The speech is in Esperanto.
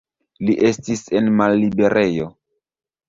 Li estis en malliberejo.